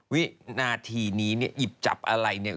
วินาทีนี้เนี่ยหยิบจับอะไรเนี่ย